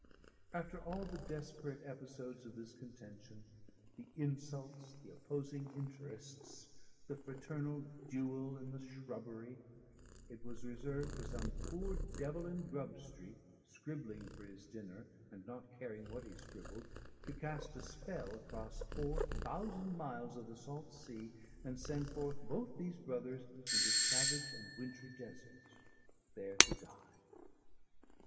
After all the desperate episodes of this contention, the insults, the opposing interests, the fraternal duel in the shrubbery, it was reserved for some poor devil in Grub Street, scribbling for his dinner, and not caring what he scribbled, to cast a spell across four thousand miles of the salt sea, and send forth both these brothers into savage and wintry deserts, there to die.